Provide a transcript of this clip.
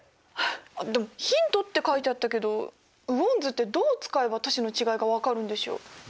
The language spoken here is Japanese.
でも「ヒント」って書いてあったけど雨温図ってどう使えば都市の違いが分かるんでしょう？